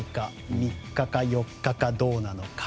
３日か４日か、どうなのか。